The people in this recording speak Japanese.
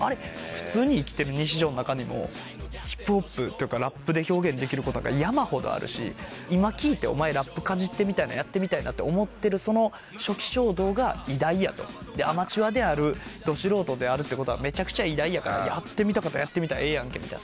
普通に生きてる日常の中にもヒップホップというかラップで表現できることなんか山ほどあるし今聴いてお前ラップかじってみたいなやってみたいなって思ってるその初期衝動が偉大やと。でアマチュアであるど素人であるってことはめちゃくちゃ偉大やからやってみたかったらやってみたらええやんけみたいな。